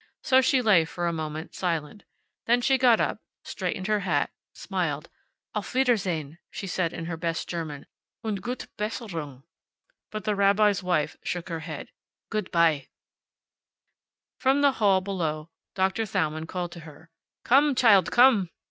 So she lay for a moment, silent. Then she got up, straightened her hat, smiled. "Auf Wiedersehen," she said in her best German. "Und gute Besserung." But the rabbi's wife shook her head. "Good by." From the hall below Doctor Thalmann called to her. "Come, child, come!"